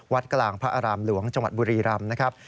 กลางพระอารามหลวงจังหวัดบุรีรำนะครับ